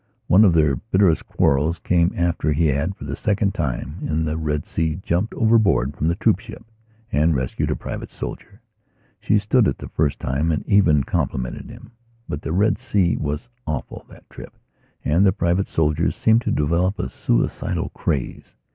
One of their bitterest quarrels came after he had, for the second time, in the Red Sea, jumped overboard from the troopship and rescued a private soldier. She stood it the first time and even complimented him. But the Red Sea was awful, that trip, and the private soldiers seemed to develop a suicidal craze.